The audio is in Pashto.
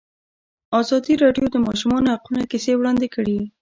ازادي راډیو د د ماشومانو حقونه کیسې وړاندې کړي.